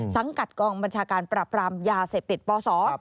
สังกัดกองบัญชาการปรับรามยาเสพติดปศ